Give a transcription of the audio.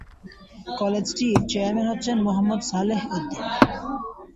কলেজটির chairman হচ্ছেন মোহাম্মদ সালেহ উদ্দিন।